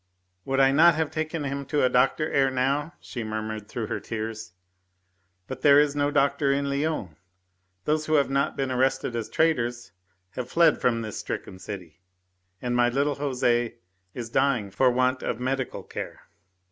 "Would I not have taken him to a doctor ere now?" she murmured through her tears. "But there is no doctor in Lyons. Those who have not been arrested as traitors have fled from this stricken city. And my little Jose is dying for want of medical care."